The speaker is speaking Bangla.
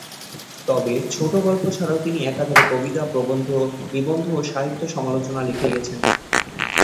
তবে ছোটগল্প ছাড়াও তিনি একাধারে কবিতা, প্রবন্ধ, নিবন্ধ ও সাহিত্য সমালোচনা লিখে গেছেন।